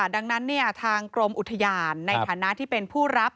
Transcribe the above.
ดังนั้นทางกรมอุทยานในฐานะที่เป็นผู้รับ